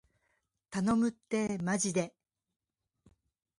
頼むってーまじで